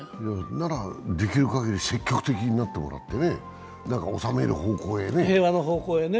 なら、できるかぎり積極的になってもらって収めるような方向にね。